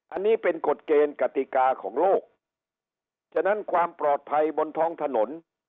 อันนี้เป็นกฎเกณฑ์กติกาของโลกฉะนั้นความปลอดภัยบนท้องถนน